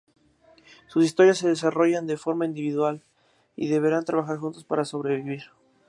Sus historias se desarrollan de forma individual, y deberán trabajar juntos para sobrevivir.